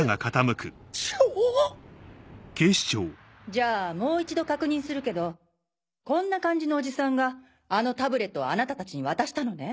じゃあもう一度確認するけどこんな感じのおじさんがあのタブレットをあなたたちに渡したのね？